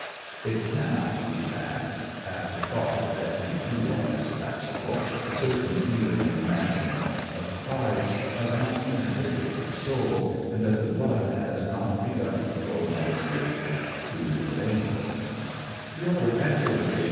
It cannot be that, at the thought that you too are in Sevastopol, a certain feeling of manliness, of pride, has not penetrated your soul, and that the blood has not begun to flow more swiftly through your veins. ' 8 SEVASTOPOL IN DECEMBER, Your Excellency